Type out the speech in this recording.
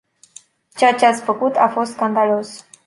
Ceea ce ați făcut a fost scandalos!